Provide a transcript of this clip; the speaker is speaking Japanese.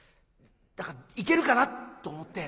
だからいけるかなと思って。